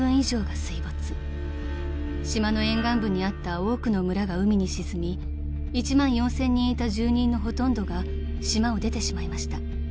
［島の沿岸部にあった多くの村が海に沈み１万４，０００人いた住人のほとんどが島を出てしまいました］